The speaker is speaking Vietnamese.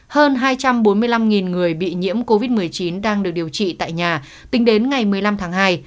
hơn hai trăm bốn mươi năm người bị nhiễm covid một mươi chín đang được điều trị tại nhà tính đến ngày một mươi năm tháng hai